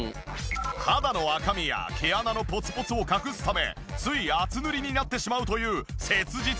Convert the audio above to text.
肌の赤みや毛穴のポツポツを隠すためつい厚塗りになってしまうという切実な悩み。